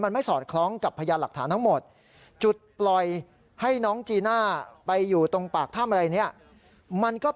ยังสับสนวกวนในการให้การ